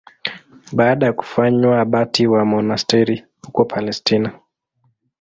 Baada ya kufanywa abati wa monasteri huko Palestina.